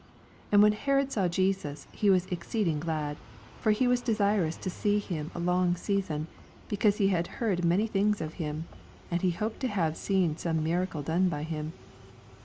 8 And when Herod saw Jesus, he was exceeding ^lad : for be was de sirous to see him of a long season^ because he had heard many things of him ^ and he hoped to have seen some miracle done by him.